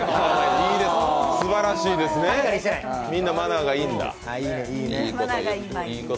すばらしいですね、みんなマナーがいいんだ。